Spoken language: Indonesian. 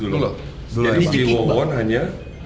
dulu bang jadi wawan hanya